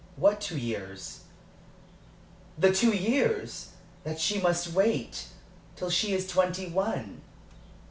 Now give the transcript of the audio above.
"What two years?" "The two years that she must wait till she is twenty one.